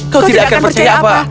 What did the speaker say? kau tidak akan percaya apa